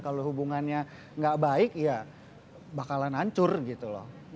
kalau hubungannya nggak baik ya bakalan hancur gitu loh